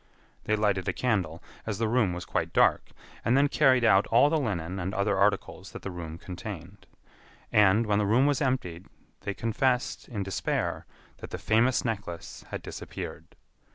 They lighted a candle, as the room was quite dark, and then carried out all the linen and other articles that the room contained. And, when the room was emptied, they confessed, in despair, that the famous necklace had disappeared.